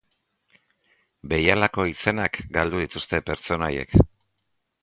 Behialako izenak galdu dituzte pertsonaiek.